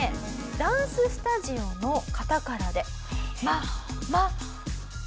ダンススタジオの方からで。